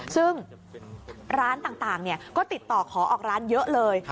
ซึ่งร้านต่างก็ติดต่อขอออกร้านเยอะเลย